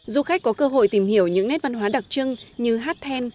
du khách có cơ hội tìm hiểu những nét văn hóa đặc trưng như hát then